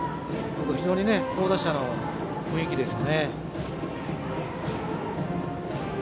非常に好打者の雰囲気です。